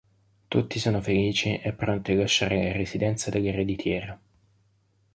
Tutti sono felici e pronti a lasciare la residenza dell'ereditiera.